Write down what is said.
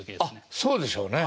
あっそうでしょうね。